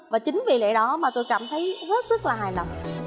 và chính vì lẽ đó mà tôi cảm thấy rất là hài lòng